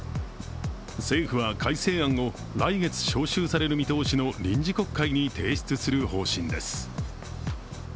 政府は、改正案を来月召集される見通しの臨時国会に提出する方針です。